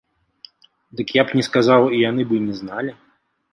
Дык я б не сказаў, і яны бы не зналі.